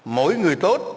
mỗi người tốt